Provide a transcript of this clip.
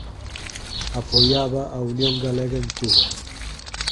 Apoiaba a Unión Galega en Cuba.